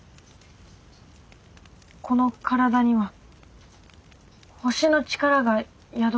この体には星の力が宿っています。